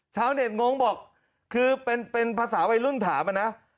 ชาวเน็ตงงบอกคือเป็นภาษาวัยรุ่นถามอะนะ